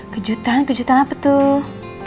kejutan kejutan apa tuh